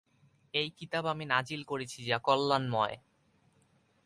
এই কিতাব আমি নাযিল করেছি যা কল্যাণময়।